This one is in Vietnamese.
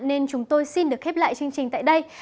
nên chúng tôi xin được khép lại chương trình tại đây